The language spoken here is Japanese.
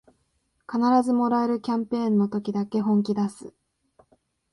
必ずもらえるキャンペーンの時だけ本気だす